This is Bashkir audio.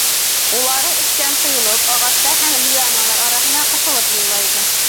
Улары өҫтән ҡойолоп, ағастар һәм лианалар араһына ҡыҫылып йыйыла икән.